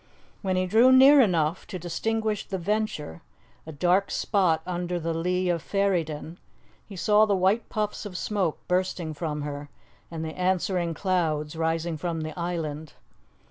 When he drew near enough to distinguish the Venture, a dark spot under the lee of Ferryden, he saw the white puffs of smoke bursting from her, and the answering clouds rising from the island.